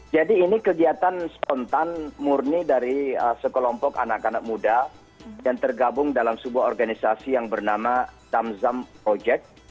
jadi ini kegiatan spontan murni dari sekelompok anak anak muda yang tergabung dalam sebuah organisasi yang bernama zamzam project